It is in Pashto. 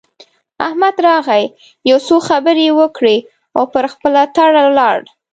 احمد راغی؛ يو څو خبرې يې وکړې او پر خپله تړه ولاړ.